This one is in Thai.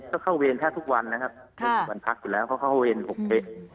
ก็เข้าเวรแค่ทุกวันนะครับค่ะเป็นวันพักอยู่แล้วเขาเข้าเวร๖เทป